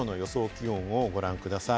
気温をご覧ください。